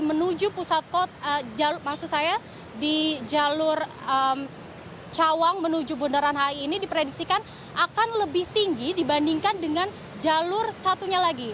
menuju pusat kota maksud saya di jalur cawang menuju bundaran hi ini diprediksikan akan lebih tinggi dibandingkan dengan jalur satunya lagi